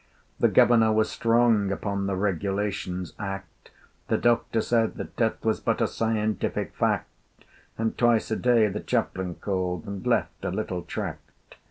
The Governor was strong upon The Regulations Act: The Doctor said that Death was but A scientific fact: And twice a day the Chaplain called And left a little tract.